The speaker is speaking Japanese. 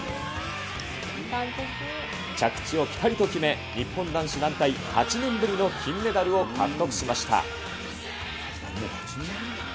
着地をぴたりと決め、日本男子団体８年ぶりの金メダルを獲得しました。